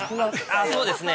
◆あ、そうですね。